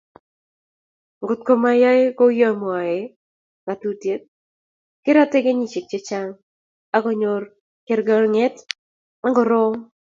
Ngotko mayai kouye mwoei ngatutiet kerotei kenyisiek chechang ak konyor kergongiet ne korom